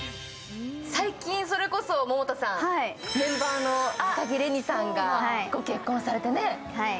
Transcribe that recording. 最近、それこそメンバーの高城れにさんがご結婚されてね。